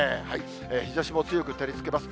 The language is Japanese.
日ざしも強く照りつけます。